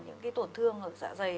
những cái tổn thương ở dạ dày